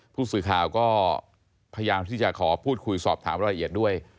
ผู้สื่อข่าวก็พยายามที่จะขอพูดคุยสอบถามรายละเอียดด้วย